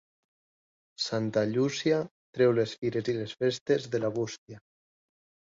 Santa Llúcia treu les fires i les festes de la bústia.